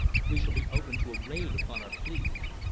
We shall be open to a raid upon our fleet.